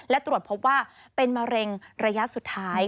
และตรวจพบว่าเป็นมะเร็งระยะสุดท้าย